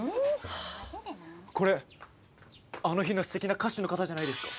これあの日のすてきな歌手の方じゃないですか？